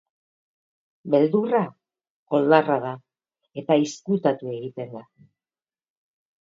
Beldurra koldarra da eta izkutatu egiten da.